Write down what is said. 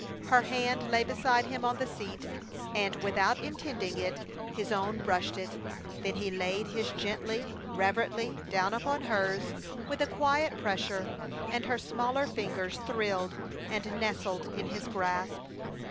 Her hand lay beside him on the seat, and without intending it his own brushed it. Then he laid his gently, reverently, down upon hers with a quiet pressure, and her smaller fingers thrilled and nestled in his grasp.